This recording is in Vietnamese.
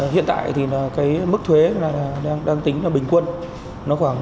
hiện tại mức thuế đang tính là bình quân khoảng chín sáu